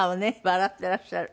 笑っていらっしゃる。